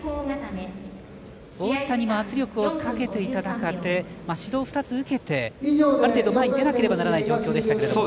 王子谷も圧力をかけていた中で指導２つ受けて、ある程度前に出なければならない状況でした。